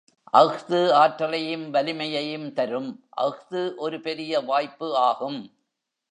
அஃது ஆற்றலையும் வலிமையையும் தரும் அஃது ஒரு பெரிய வாய்ப்பு ஆகும்.